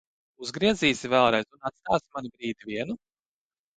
Uzgriezīsi vēlreiz un atstāsi mani brīdi vienu?